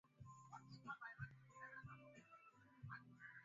takwimu hizo zimetolewa ikiwa ni siku ya kumi na mbili